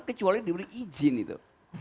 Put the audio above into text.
kecuali diberi izin itu